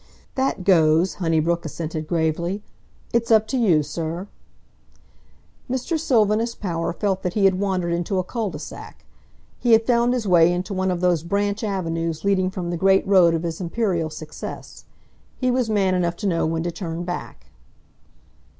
"That goes," Honeybrook assented gravely. "It's up to you, sir." Mr. Sylvanus Power felt that he had wandered into a cul de sac. He had found his way into one of those branch avenues leading from the great road of his imperial success. He was man enough to know when to turn back.